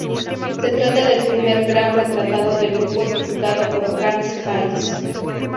Se trata del primer gran retrato de grupo ejecutado por Frans Hals.